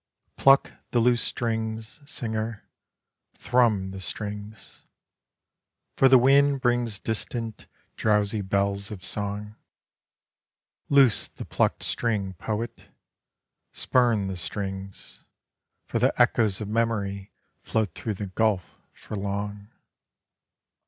Pluck the loose strings, singer, Thrum the strings; For the wind brings distant, drowsy bells of song. Loose the plucked string, poet, Spurn the strings, For the echoes of memory float through the gulf for long.